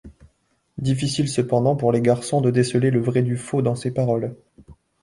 Difficile cependant pour les garçons de déceler le vrai du faux dans ses paroles.